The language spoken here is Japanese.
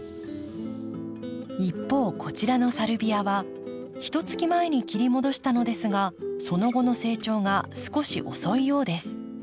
一方こちらのサルビアはひとつき前に切り戻したのですがその後の成長が少し遅いようです。